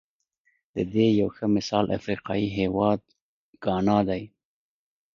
د دې یو ښه مثال افریقايي هېواد ګانا دی.